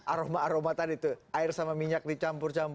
aroma aroma tadi tuh air sama minyak dicampur campur